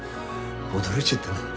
驚いちゃったな。